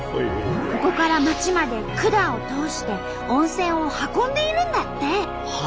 ここから町まで管を通して温泉を運んでいるんだって！